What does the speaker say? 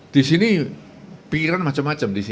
di sini pikiran macam macam